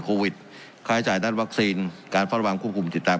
โควิดค่าใช้จ่ายด้านวัคซีนการเฝ้าระวังควบคุมติดตาม